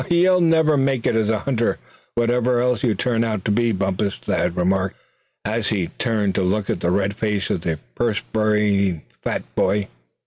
"You'll never make a hunter, whatever else you turn out to be, Bumpus," Thad remarked, smiling, as he turned to look at the red face of the perspiring fat boy.